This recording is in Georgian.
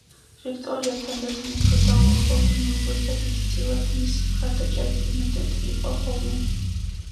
ვიქტორია თანდათან უფრო დაუახლოვდა მეუღლეს და დიდწილად მისი მხარდაჭერის იმედად იყო ხოლმე.